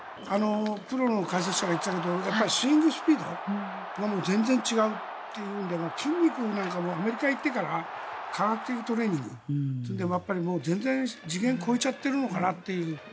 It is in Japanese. プロの解説者が言っていたけどスイングスピードが全然違うというので筋肉なんかもアメリカに行ってから科学的トレーニングというので全然次元を超えちゃっているのかなって。